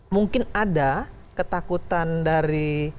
mungkin ada ketakutan dari